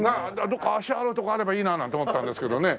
どこか足洗うとこあればいいななんて思ったんですけどもね。